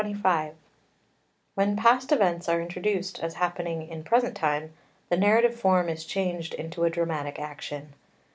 ] XXV When past events are introduced as happening in present time the narrative form is changed into a dramatic action.